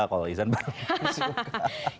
kalau izan baru suka